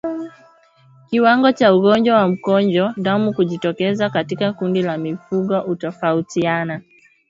Kiwango cha ugonjwa wa mkojo damu kujitokeza katika kundi la mifugo hutofautiana